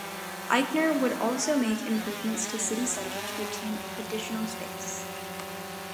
Eichner would also make improvements to City Center to obtain additional space.